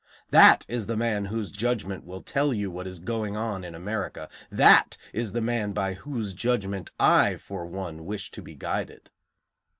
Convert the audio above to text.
That is the man whose judgment will tell you what is going on in America; that is the man by whose judgment I, for one, wish to be guided.